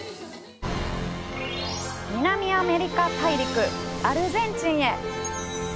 南アメリカ大陸アルゼンチンへ。